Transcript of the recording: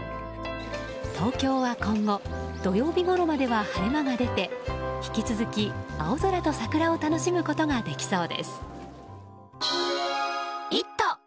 東京は今後土曜日ごろまでは晴れ間が出て引き続き、青空と桜を楽しむことができそうです。